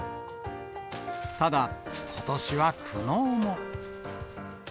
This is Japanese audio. ただ、ことしは苦悩も。